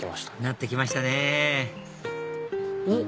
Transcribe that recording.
なってきましたねおっ！